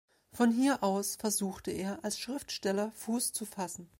Von hier aus versuchte er, als Schriftsteller Fuß zu fassen.